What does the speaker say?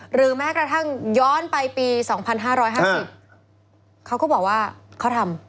หรือแม้กระทั่งย้อนไปปี๒๕๕๐เขาก็บอกว่าเขาทำ